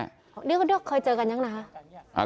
เคยเจอกันยังนะครับ